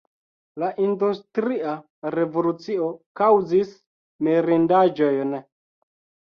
La industria revolucio kaŭzis mirindaĵojn.